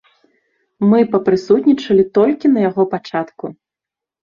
Мы папрысутнічалі толькі на яго пачатку.